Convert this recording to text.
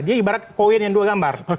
dia ibarat koin yang dua gambar